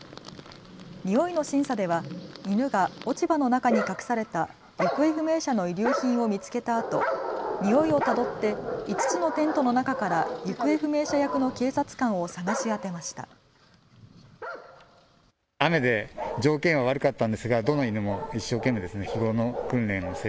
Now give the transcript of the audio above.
においの審査では犬が落ち葉の中に隠された行方不明者の遺留品を見つけたあとにおいをたどって５つのテントの中から行方不明者役の警察官を捜し当てました。